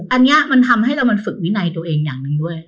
อันนี้มันทำให้เรามันฝึกวินัยตัวเองอย่างหนึ่งด้วย